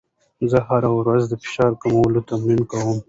زه هره ورځ د فشار کمولو تمرین کوم.